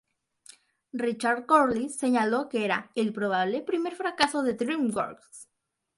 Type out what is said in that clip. Richard Corliss señaló que era "el probable primer fracaso de Dreamworks".